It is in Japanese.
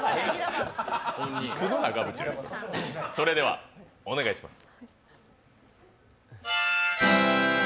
それではお願いします。